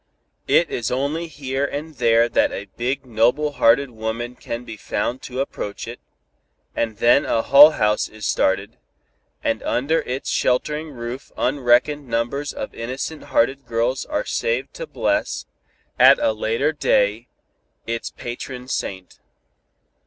"It is only here and there that a big noble hearted woman can be found to approach it, and then a Hull House is started, and under its sheltering roof unreckoned numbers of innocent hearted girls are saved to bless, at a later day, its patron saint.